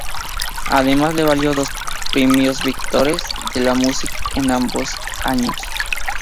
Además, le valió dos premios Victoires de la Musique en ambos años.